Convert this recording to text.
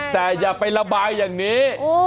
แต่อย่าไประบายอย่างนี้